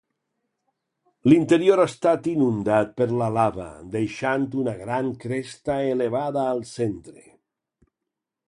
L'interior ha estat inundat per la lava, deixant una gran cresta elevada al centre.